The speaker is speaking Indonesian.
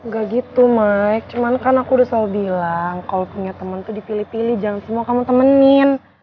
gak gitu me cuma kan aku udah selalu bilang kalau punya temen tuh dipilih pilih jangan semua kamu temenin